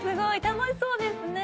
楽しそうですね。